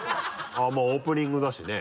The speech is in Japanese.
まぁオープニングだしね。